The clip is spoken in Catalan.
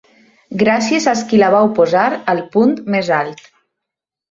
Gràcies als qui la vau posar al punt més alt.